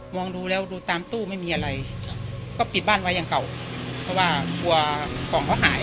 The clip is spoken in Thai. ดูแล้วดูตามตู้ไม่มีอะไรก็ปิดบ้านไว้อย่างเก่าเพราะว่ากลัวกล่องเขาหาย